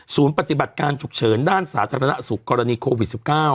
ปฏิบัติการฉุกเฉินด้านสาธารณสุขกรณีโควิด๑๙